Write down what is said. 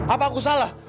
apa aku salah